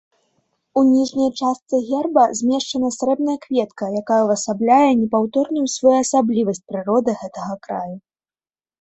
У ніжняй частцы герба змешчана срэбная кветка, якая ўвасабляе непаўторную своеасаблівасць прыроды гэтага краю.